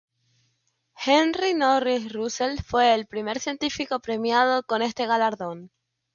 Henry Norris Russell fue el primer científico premiado con este galardón.